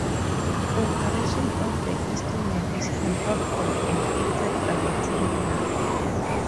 Operation of the instrument is controlled from an integral terminal.